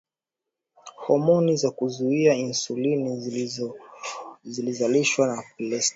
homoni za kuzuia insulini zinazalishwa na plasenta